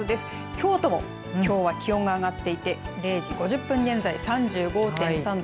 京都もきょうは気温が上がっていて０時５０分現在３５．３度。